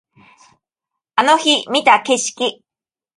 あの日見た景色